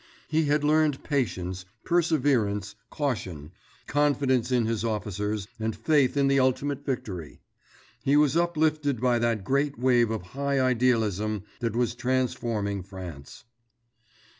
He had learned patience, perseverance, caution, confidence in his officers, and faith in the ultimate victory. He was uplifted by that great wave of high idealism that was transforming France.